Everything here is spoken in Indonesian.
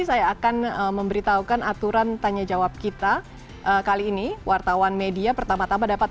saya akan memberitahukan aturan tanya jawab kita kali ini wartawan media pertama tama dapat